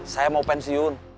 saya mau pensiun